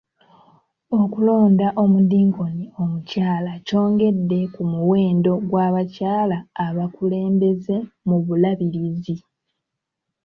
Okulonda omudinkoni omukyala kyongedde ku muwendo gw'abakyala abakulembeze mu bulabirizi.